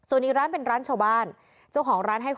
และก็คือว่าถึงแม้วันนี้จะพบรอยเท้าเสียแป้งจริงไหม